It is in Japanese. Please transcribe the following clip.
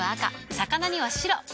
魚には白。